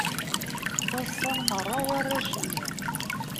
Ttaḍsan meṛṛa warrac-nni.